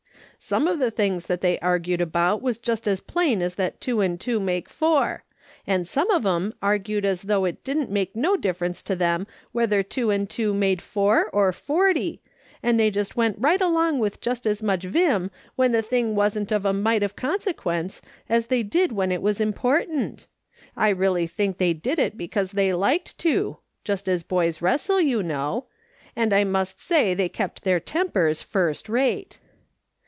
Some of the things that they argued about was just as jDlaiii as that two and two make four ; and some of them argued as though it didn't make no difference to them whether two and two make four or forty, and they M'ent right along with just as much vim when the thing wasn't of a mite of consequence as they did when it was important. I really think they did it because they liked to, just as boys wrestle, you know ; and I must say they kept their tempers first rate.